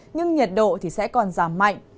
nhưng nhiệt độ sẽ còn giảm mạnh